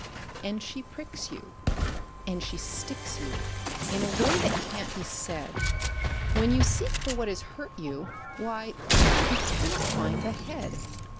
And she pricks you, and she sticks you, in a way that can't be said When you seek for what has hurt you, why, you cannot find the head.